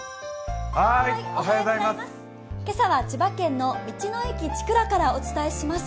今朝は千葉県の道の駅ちくらからお伝えします。